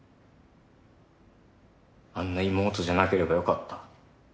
あんな妹じゃなければよかった。